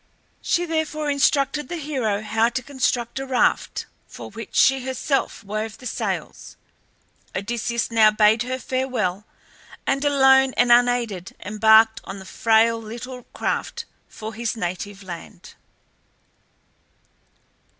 She therefore instructed the hero how to construct a raft, for which she herself wove the sails. Odysseus now bade her farewell, and alone and unaided embarked on the frail little craft for his native land.